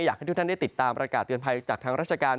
อยากให้ทุกท่านได้ติดตามประกาศเตือนภัยจากทางราชการ